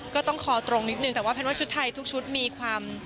ก็ต้องคอตรงนิดนึงแต่ว่าแพนว่าชุดไทยทุกชุดมีความ